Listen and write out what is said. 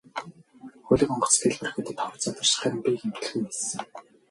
Хөлөг онгоц дэлбэрэхэд тор задарч харин би гэмтэлгүй ниссэн.